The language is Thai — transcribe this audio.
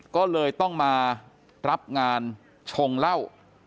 ก็เลยต้องมารับงานชงเหล้า